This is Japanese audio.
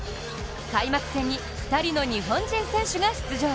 開幕戦に２人の日本人選手が出場。